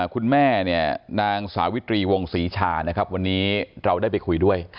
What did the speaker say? คุณแม่เนี่ยนางสาวิตรีวงศรีชานะครับวันนี้เราได้ไปคุยด้วย